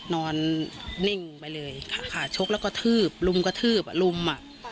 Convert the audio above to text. นอนนิ่งไปเลยค่ะค่ะชกแล้วก็ทืบรุมก็ทืบรุมอ่ะ